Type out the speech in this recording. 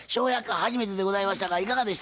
初めてでございましたがいかがでしたか？